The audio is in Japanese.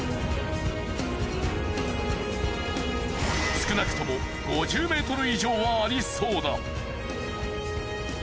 少なくとも５０ｍ以上はありそうだ。